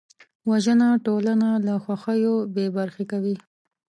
وژنه ټولنه له خوښیو بېبرخې کوي